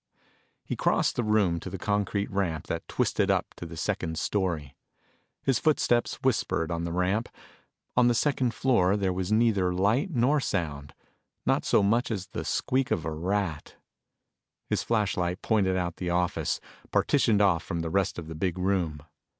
He crossed the room to the concrete ramp that twisted up to the second story. His footsteps whispered on the ramp. On the second floor there was neither light nor sound not so much as the squeak of a rat. His flashlight pointed out the office, partitioned off from the rest of the big room.